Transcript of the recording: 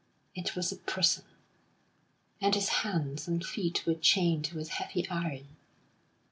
It was a prison, and his hands and feet were chained with heavy iron....